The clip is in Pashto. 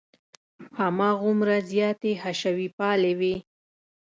هماغومره زیاتې حشوي پالې وې.